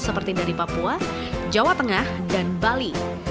seperti dari papua jawa tengah dan bali